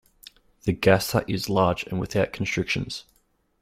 The gaster is large and without constrictions.